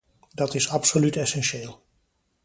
Dat is absoluut essentieel.